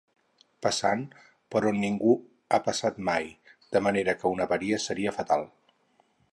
Passant per on ningú ha passat mai, de manera que una avaria seria fatal.